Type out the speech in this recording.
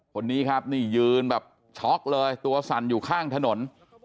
คนนี้ครับนี่ยืนแบบช็อกเลยตัวสั่นอยู่ข้างถนน